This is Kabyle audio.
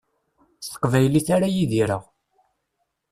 S teqbaylit ara idireɣ.